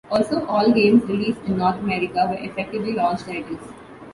Also all games released in North America were effectively launch titles.